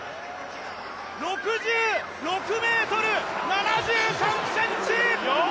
６６ｍ７３ｃｍ！